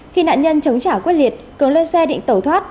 khi nạn nhân chống trả quyết liệt cường lên xe định tẩu thoát